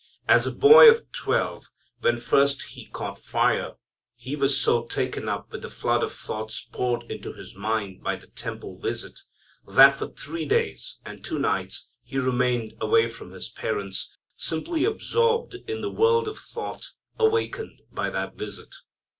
As a boy of twelve, when first He caught fire, He was so taken up with the flood of thoughts poured into His mind by the temple visit, that for three days and two nights He remained away from His parents, simply absorbed in the world of thought awakened by that visit.